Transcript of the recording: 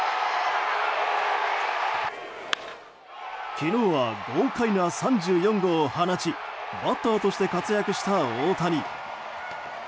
昨日は豪快な３４号を放ちバッターとして活躍した大谷。